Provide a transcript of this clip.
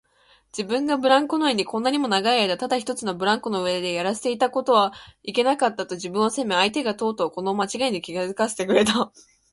自分がブランコ乗りにこんなにも長いあいだただ一つのブランコの上でやらせていたことはいけなかった、と自分を責め、相手がとうとうこのまちがいに気づかせてくれた